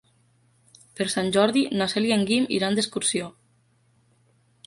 Per Sant Jordi na Cel i en Guim iran d'excursió.